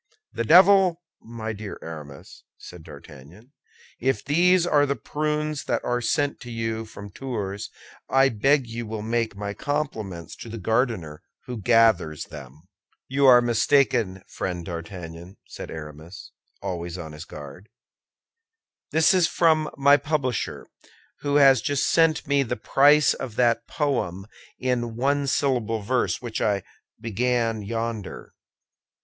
"The devil! my dear Aramis," said D'Artagnan, "if these are the prunes that are sent to you from Tours, I beg you will make my compliments to the gardener who gathers them." "You are mistaken, friend D'Artagnan," said Aramis, always on his guard; "this is from my publisher, who has just sent me the price of that poem in one syllable verse which I began yonder."